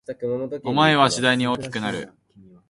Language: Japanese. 想いは次第に大きくなる